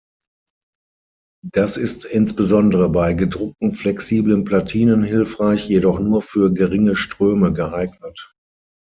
Das ist insbesondere bei gedruckten flexiblen Platinen hilfreich, jedoch nur für geringe Ströme geeignet.